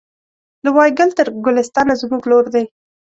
له وایګل تر ګلستانه زموږ لور دی